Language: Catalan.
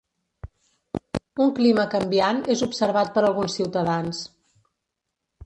Un clima canviant és observat per alguns ciutadans.